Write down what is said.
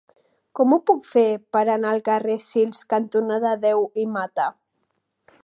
Com ho puc fer per anar al carrer Sils cantonada Deu i Mata?